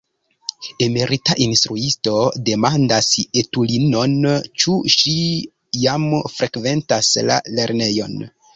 Emerita instruisto demandas etulinon, ĉu ŝi jam frekventas la lernejon.